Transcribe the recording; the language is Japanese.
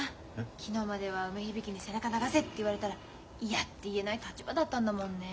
昨日までは梅響に背中流せって言われたら嫌って言えない立場だったんだもんねえ。